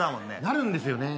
なるんですよね。